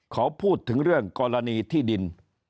เขาพูดถึงเรื่องกรณีที่ดิน